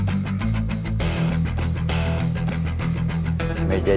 jangan ubah ukuran malang structure